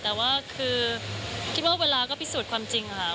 แต่ว่าคือคิดว่าเวลาก็พิสูจน์ความจริงค่ะ